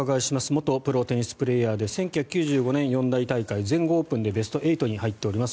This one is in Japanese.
元プロテニスプレーヤーで１９９５年四大大会、全豪オープンでベスト８に入っております。